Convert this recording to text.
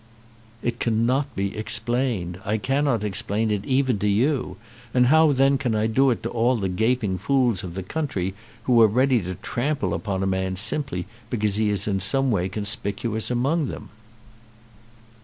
"It cannot be explained. I cannot explain it even to you, and how then can I do it to all the gaping fools of the country who are ready to trample upon a man simply because he is in some way conspicuous among them?"